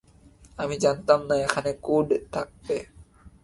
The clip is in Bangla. আমি জানতাম না এখানে কোড থাকবে।